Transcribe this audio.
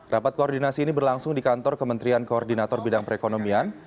rapat koordinasi ini berlangsung di kantor kementerian koordinator bidang perekonomian